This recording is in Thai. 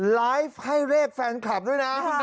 ไลฟ์ให้เลขแฟนคลับด้วยนะ